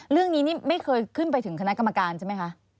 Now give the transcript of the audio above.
เรื่องนี้นี่ไม่เคยขึ้นไปถึงคณะกรรมการใช่ไหมคะ